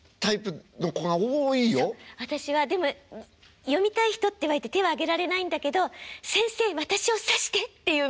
私はでも「読みたい人」って言われて手は挙げられないんだけど「先生私を指して」っていう目で見てたの。